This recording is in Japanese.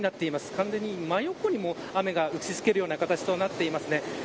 完全に真横に雨が打ち付ける形になっています。